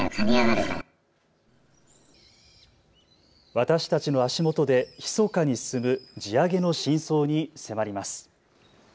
私たちの足元でひそかに進む地上げの深層に迫ります。